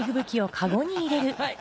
はい。